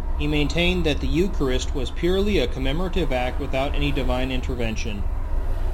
He maintained that the eucharist was purely a commemorative act without any divine intervention.